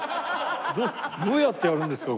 どうやってやるんですか？